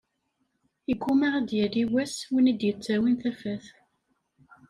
Yegguma ad yali wass win i d-yettawin tafat.